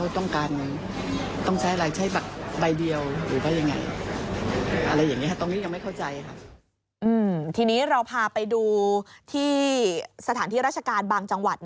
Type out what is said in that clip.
ทีนี้เราพาไปดูที่สถานที่ราชการบางจังหวัด